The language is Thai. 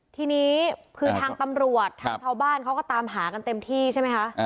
ทีนี้คือทางตำรวจทางชาวบ้านเขาก็ตามหากันเต็มที่ใช่ไหมคะ